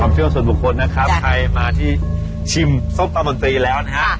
ความเชี่ยวส่วนบุคคลนะครับใครมาที่ชิมซุปต้ามะตรีแล้วนะฮะ